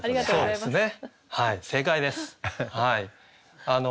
そうですね。